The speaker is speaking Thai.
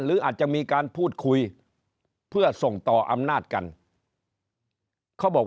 หรืออาจจะมีการพูดคุยเพื่อส่งต่ออำนาจกันเขาบอก